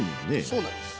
そうなんです。